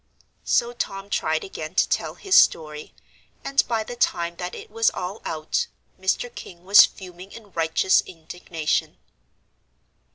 So Tom tried again to tell his story, and by the time that it was all out, Mr. King was fuming in righteous indignation.